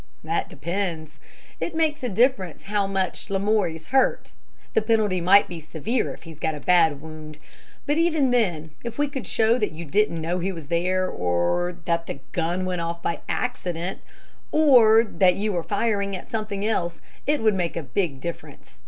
"That depends. It makes a difference how much Lamoury's hurt. The penalty might be severe if he's got a bad wound. But even then, if we could show that you didn't know he was there, or that the gun went off by accident, or that you were firing at something else, it would make a big difference.